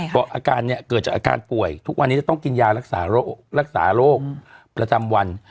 เพราะอาการเนี่ยเกิดจากอาการป่วยทุกวันนี้จะต้องกินยารักษาโรคประจำวัน